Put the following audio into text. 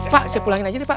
pak saya pulangin aja deh pak